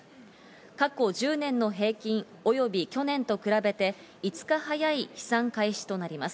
過去１０年の平均及び去年と比べて５日早い飛散開始日となります。